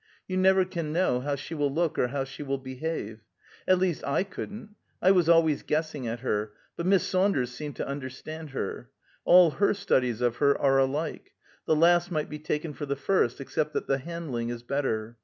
You never can know how she will look or how she will behave. At least, I couldn't. I was always guessing at her; but Miss Saunders seemed to understand her. All her studies of her are alike; the last might be taken for the first, except that the handling is better.